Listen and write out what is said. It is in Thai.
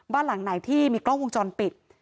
บ้านหลังไหนที่มีกล้องวงจรปิด